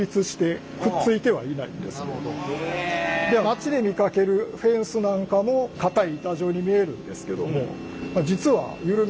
街で見かけるフェンスなんかも硬い板状に見えるんですけども実は緩めると軟らかい。